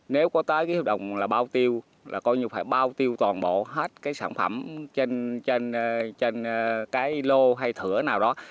nếu có tới cái hợp đồng là bao tiêu là coi như phải bao tiêu toàn bộ hết cái sản phẩm trên cái lô hay thửa nào đó